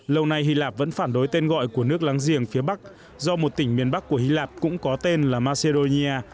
lâu nay hy lạp vẫn phản đối tên gọi của nước láng giềng phía bắc do một tỉnh miền bắc của hy lạp cũng có tên là macedonia